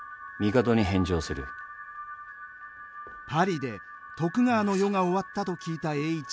パリで徳川の世が終わったと聞いた栄一。